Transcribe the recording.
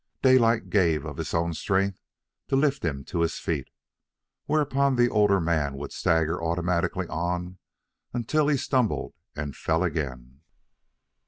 Daylight gave of his own strength to lift him to his feet, whereupon the older man would stagger automatically on until he stumbled and fell again.